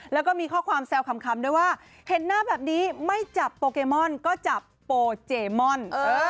แล้วก็มีข้อความแซวคำด้วยว่าเห็นหน้าแบบนี้ไม่จับโปเกมอนก็จับโปเจมอน